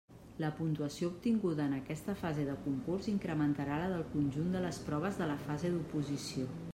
La puntuació obtinguda en aquesta fase de concurs incrementarà la del conjunt de les proves de la fase d'oposició.